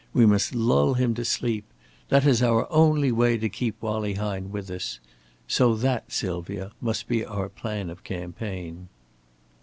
We must lull him to sleep. That is our only way to keep Wallie Hine with us. So that, Sylvia, must be our plan of campaign."